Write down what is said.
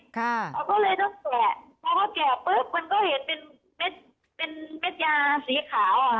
เขาก็เลยต้องแกะเขาก็แกะปุ๊บมันก็เห็นเป็นเม็ดยาสีขาว